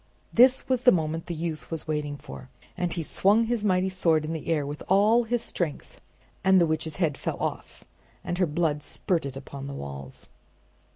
This was the moment the youth was waiting for, and he swung his mighty sword in the air with all his strength and the witch's head fell off, and her blood spurted upon the walls.